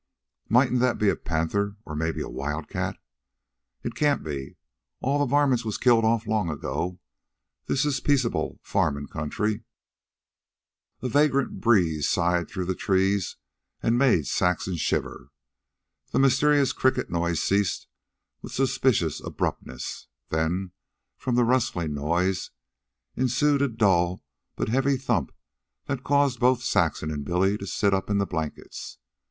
"Mightn't that be a panther, or maybe... a wildcat?" "It can't be. All the varmints was killed off long ago. This is peaceable farmin' country." A vagrant breeze sighed through the trees and made Saxon shiver. The mysterious cricket noise ceased with suspicious abruptness. Then, from the rustling noise, ensued a dull but heavy thump that caused both Saxon and Billy to sit up in the blankets.